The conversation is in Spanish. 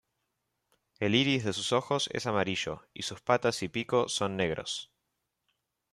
El iris de sus ojos es amarillo, y sus patas y pico son negros.